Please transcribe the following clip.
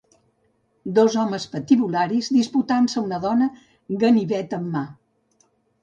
Dos homes patibularis disputant-se una dona, ganivet en mà.